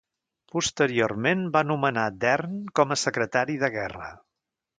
Posteriorment va nomenar Dern com a secretari de guerra.